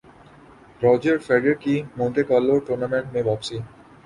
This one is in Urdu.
روجر فیڈرر کی مونٹے کارلو ٹورنامنٹ میں واپسی